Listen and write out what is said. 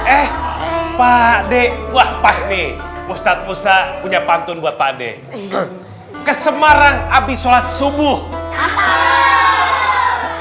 eh pak dek wah pas nih mustad musa punya pantun buat pak dek ke semarang abis sholat subuh eh langsung berenang di pinggir tiang